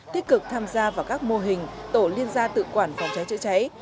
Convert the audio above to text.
tích cực tham gia vào các mô hình tổ liên gia tự quản phòng cháy chữa cháy